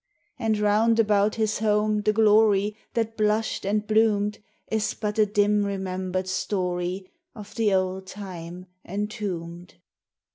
And round about his home the glory That blushed and bloomed, Is but a dim remembered story Of the old time entombed.